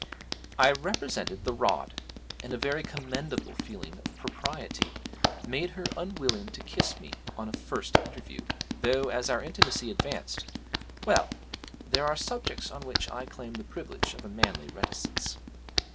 I represented the rod, and a very commendable feeling of propriety made her unwilling to kiss me on a first interview, though, as our intimacy advanced well, there are subjects on which I claim the privilege of a manly reticence.